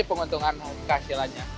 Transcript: ini penguntungan kehasilannya